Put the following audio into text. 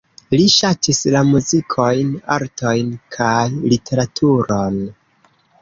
Li ŝatis la muzikojn, artojn kaj literaturon.